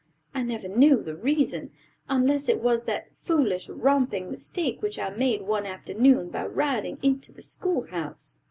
I never knew the reason, unless it was that foolish, romping mistake which I made one afternoon by riding into the schoolhouse!"